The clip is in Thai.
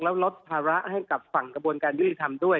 แล้วลดภาระให้กับฝั่งกระบวนการยุติธรรมด้วย